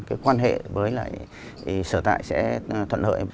cái quan hệ với lại sở tại sẽ thuận lợi